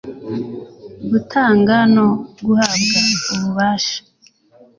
gutanga no guhabwa ububasha